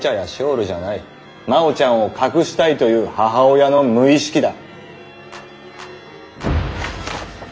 真央ちゃんを隠したいという母親の無意識だ。